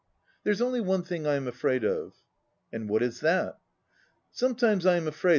There is only one thing I am afraid of." "And what is that?" "Sometimes I am afraid tha!